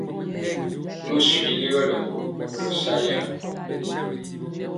Nu swi legɔlɔ nyoli kolɔ sa jaŋ.